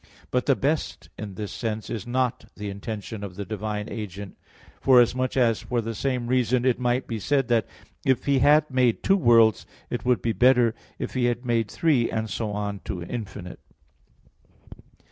But the best in this sense is not the intention of the divine agent; forasmuch as for the same reason it might be said that if He had made two worlds, it would be better if He had made three; and so on to infinite.